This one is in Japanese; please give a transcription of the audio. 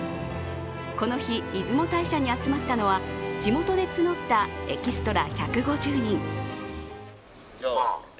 この日、出雲大社に集まったのは地元で募ったエキストラ１５０人。